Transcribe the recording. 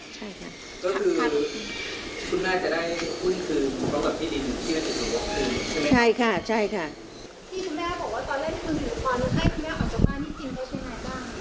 พี่แม่ออกจากบ้านจริงเฉยบ้าง